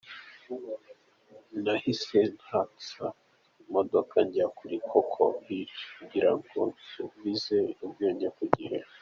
Nahise natsa imodoka njya kuri Coco Beach kugira ngo nsubize ubwenge ku gihe.